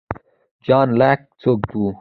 جان لاک څوک و؟